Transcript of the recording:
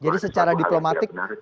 jadi secara diplomatik